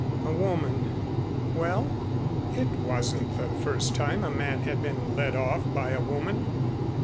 A woman well? It wasn't the first time a man had been led off by a woman.